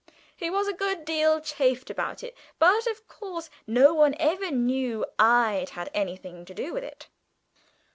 He was a good deal chaffed about it, but of course no one ever knew I'd had anything to do with it!"